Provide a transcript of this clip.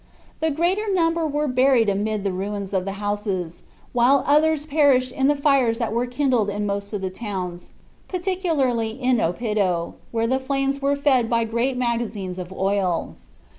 The greater number were buried amid the ruins of the houses, while others perished in the fires that were kindled in most of the towns, particularly in Oppido, where the flames were fed by great magazines of oil.